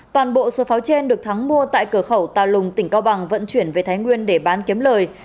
toàn bộ số pháo trên được thắng mua tại cửa khẩu tà lùng tỉnh cao bằng vận chuyển về thái nguyên để bán kiếm lời